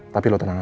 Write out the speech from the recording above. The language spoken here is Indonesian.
tapi lo tenang aja